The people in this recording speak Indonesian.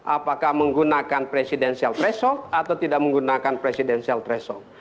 apakah menggunakan presidensial threshold atau tidak menggunakan presidensial threshold